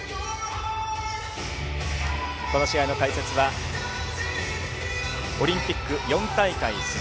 この試合の解説はオリンピック４大会出場。